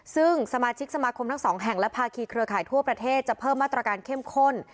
ซึ่งสมาชิกสมาคมทั้งสองแห่งและภาคีเครือข่ายทั่วประเทศจะเพิ่มมาตรการเข้มข้น